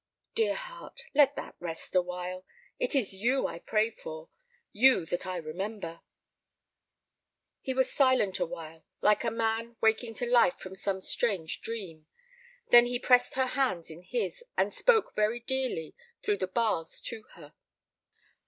"Dear heart, let that rest awhile. It is you I pray for—you that I remember." He was silent awhile, like a man waking to life from some strange dream. Then he pressed her hands in his, and spoke very dearly through the bars to her.